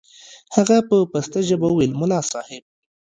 هغه په پسته ژبه وويل ملا صاحب.